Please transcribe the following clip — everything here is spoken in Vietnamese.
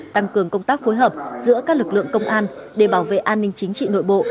tăng cường công tác phối hợp giữa các lực lượng công an để bảo vệ an ninh chính trị nội bộ